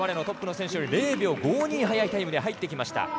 トップの選手より０秒５２速いタイムで入ってきました。